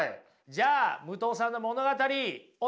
じゃあ武藤さんの物語お願いします！